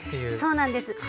そうなんです。